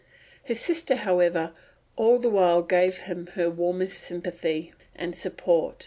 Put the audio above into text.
His sister, however, all the while gave him her warmest sympathy and support.